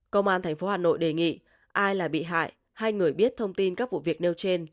công an tp hà nội đề nghị ai là bị hại hay người biết thông tin các vụ việc nêu trên